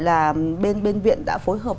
là bên viện đã phối hợp